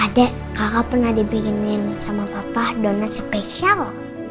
adek kakak pernah dipingin sama papa donat spesial